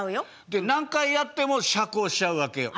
で何回やっても斜行しちゃうわけよ。